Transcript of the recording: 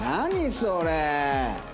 それ。